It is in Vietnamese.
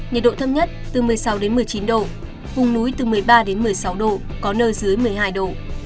nhiệt độ thấp nhất từ một mươi sáu một mươi chín độ vùng núi từ một mươi ba đến một mươi sáu độ có nơi dưới một mươi hai độ